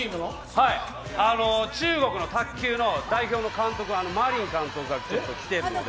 中国の卓球の代表の監督が来てるんで。